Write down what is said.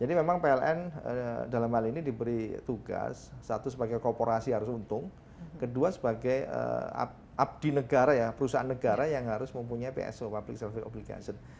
jadi memang pln dalam hal ini diberi tugas satu sebagai kooperasi harus untung kedua sebagai abdi negara ya perusahaan negara yang harus mempunyai pso public self revival obligation